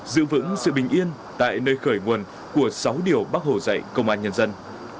giữ vững sự bình yên tại nơi khởi nguồn của sáu điều bác hồ dạy công an nhân dân